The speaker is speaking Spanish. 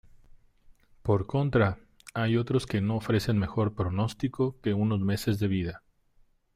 Por contra, hay otros que no ofrecen mejor pronóstico que unos meses de vida.